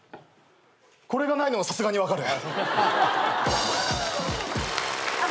これがないのはさすがに分かる。